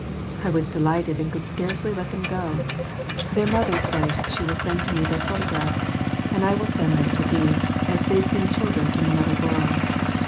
I was delighted and could scarcely let them go. Their mother says she will send to me their photographs, and I will send them to thee, as they seem children from another world.